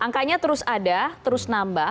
angkanya terus ada terus nambah